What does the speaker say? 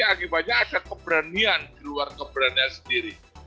akibatnya ada keberanian di luar keberanian sendiri